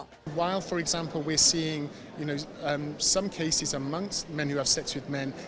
sedangkan misalnya kita melihat beberapa kes di antara laki laki yang mencari cacar monyet ini bukan penyakit gay